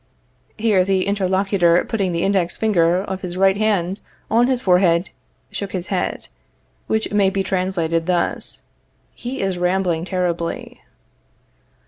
(Here the interlocutor, putting the index finger of his right hand on his forehead, shook his head, which may be translated thus: He is rambling terribly.)